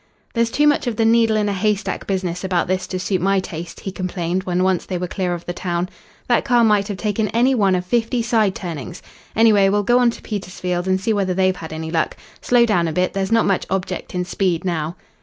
"There's too much of the needle in a haystack business about this to suit my taste," he complained when once they were clear of the town. "That car might have taken any one of fifty side turnings. Anyway, we'll go on to Petersfield and see whether they've had any luck. Slow down a bit. There's not much object in speed now."